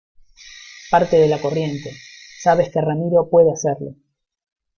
parte de la corriente, sabes que Ramiro puede hacerlo.